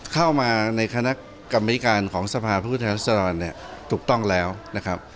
เข้ามาในคณะกรรมนิการของสภาพผู้แทนรัศดรเนี่ยถูกต้องแล้วนะครับ